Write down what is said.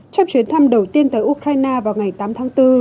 trong chuyến thăm đầu tiên tới ukraine vào ngày tám tháng bốn